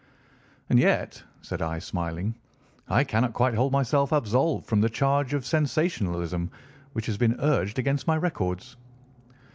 "And yet," said I, smiling, "I cannot quite hold myself absolved from the charge of sensationalism which has been urged against my records."